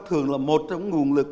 thường là một trong nguồn lực